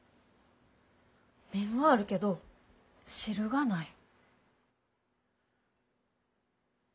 麺はあるけど汁がない。